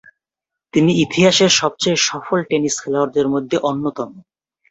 তিনি ইতিহাসের সবচেয়ে সফল টেনিস খেলোয়াড়দের মধ্যে অন্যতম।